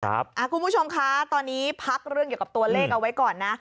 คุณผู้ชมคะตอนนี้พักเรื่องเกี่ยวกับตัวเลขเอาไว้ก่อนนะ